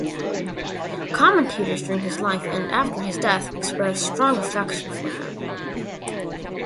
Commentators during his life and after his death expressed strong affection for him.